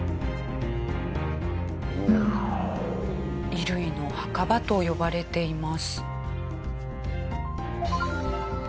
「衣類の墓場」と呼ばれています。